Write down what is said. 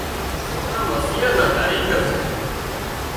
سوڪرا مسيان نا ڪاريڳر سي